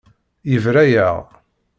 Yebra-yaɣ.